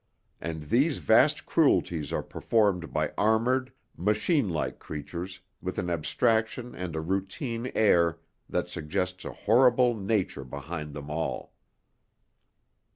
And these vast cruelties are performed by armoured, machine like creatures with an abstraction and a routine air that suggests a horrible Nature behind them all.